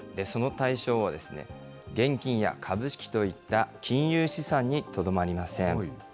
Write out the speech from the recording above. その対象は、現金や株式といった金融資産にとどまりません。